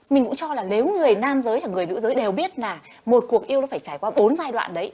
mình cũng cho là nếu người nam giới và người nữ giới đều biết là một cuộc yêu nó phải trải qua bốn giai đoạn đấy